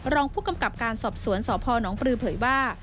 รองผู้กำกับการสอบสวนสพนปลือเผยว่า